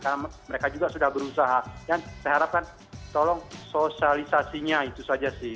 karena mereka juga sudah berusaha dan saya harapkan tolong sosialisasinya itu saja sih